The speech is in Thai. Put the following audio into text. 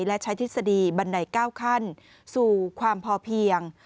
และใช้ทฤษฎีบันได๙ขั้นสู่ความพอเพียง